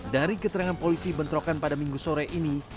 dari keterangan polisi bentrokan pada minggu sore ini